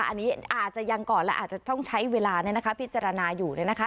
อันนี้อาจจะยังก่อนและอาจจะต้องใช้เวลาพิจารณาอยู่เนี่ยนะคะ